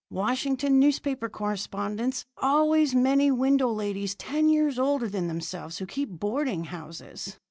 Washington newspaper correspondents always many widow ladies ten years older than themselves who keep boarding houses.